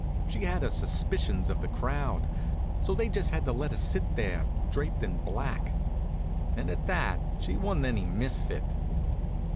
She had her suspicions of the crowd, so they just had to let her sit there draped in black. And at that she wa'n't any misfit.